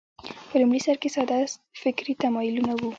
په لومړي سر کې ساده فکري تمایلونه وو